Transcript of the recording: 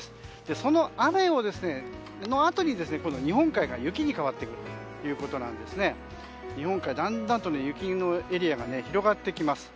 その雨のあとに今度は日本海から雪に変わってくるということで日本海、だんだんと雪のエリアが広がってきます。